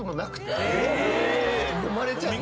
もまれちゃって。